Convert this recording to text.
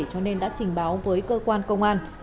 cho nên đã trình báo với cơ quan công an